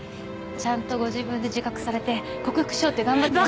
ちゃんとご自分で自覚されて克服しようって頑張って。